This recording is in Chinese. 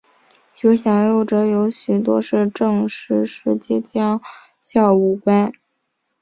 举事响应者有许多是郑氏时期将校武官。